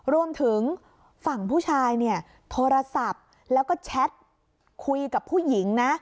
รวมถึงฝั่งผู้ชายเนี่ยโทรศัพท์แล้วก็แชทคุยกับผู้หญิงนะ